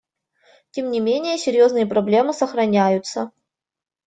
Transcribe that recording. Тем не менее серьезные проблемы сохраняются.